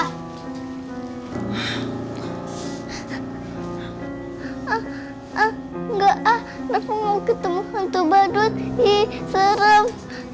engga ah rafa mau ketemu hantu badut ih serem